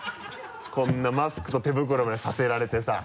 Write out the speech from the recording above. こんなマスクと手袋までさせられてさ。